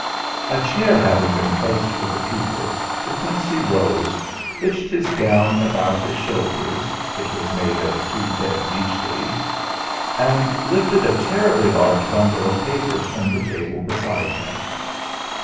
A chair having been placed for the pupil, De Quincey rose, hitched his gown about his shoul ders it was made of two dead beech leaves and lifted a terribly large bundle of papers from the table beside him.